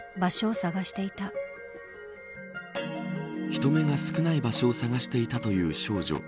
人目が少ない場所を探していたという少女。